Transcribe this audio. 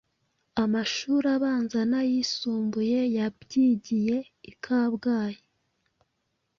amashuri abanza n’ayisumbuye.yabyigiye ikabwayi